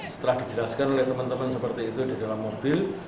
setelah dijelaskan oleh teman teman seperti itu di dalam mobil